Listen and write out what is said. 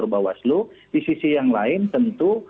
bawaslu di sisi yang lain tentu